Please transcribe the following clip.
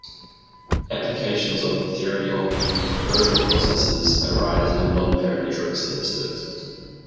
Applications of the theory of empirical processes arise in non-parametric statistics.